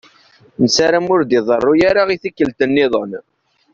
Nessaram ur d-iḍeṛṛu ara i tikkelt-nniḍen.